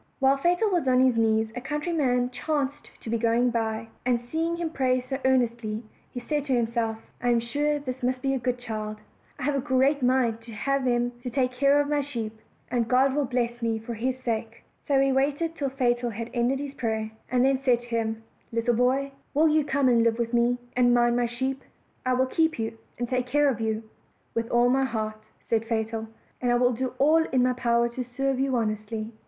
While Fatal was on his knees a countryman chanced to be going by; and seeing him pray so earnestly, said to himself, "I am sure this must be a good child; I have a great mind to have him to take care of my sheep, and God will bless me for his sake." So he waited till Fatal had ended his prayer, and then said to him: "Little boy, will you come and live with me, and mind my sheep? I will keep you, and take care of you." "With all my heart," said Fatal, "and I will do all in my power to serve you honestly."